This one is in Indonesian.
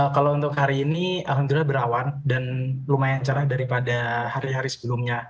kalau untuk hari ini alhamdulillah berawan dan lumayan cerah daripada hari hari sebelumnya